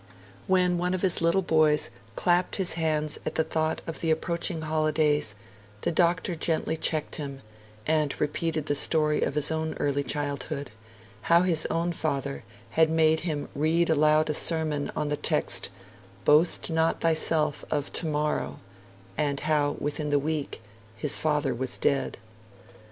When one of his little boys clapped his hands at the thought of the approaching holidays, the Doctor gently checked him, and repeated the story of his own early childhood; how his own father had made him read aloud a sermon on the text 'Boast not thyself of tomorrow"; and how, within the week, his father was dead.